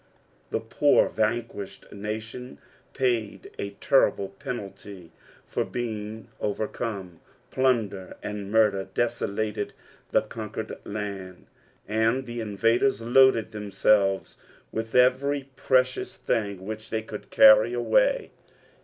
The poor, vanquished nation paid a terrible penalty for being overcome ; plunder and muider desolated the conquered land, and the invaders loaded themselves with every precious thing which they could carry away.